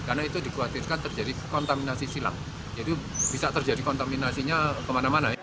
karena itu dikhawatirkan terjadi kontaminasi silang jadi bisa terjadi kontaminasinya kemana mana